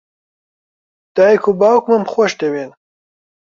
دایک و باوکمم خۆش دەوێن.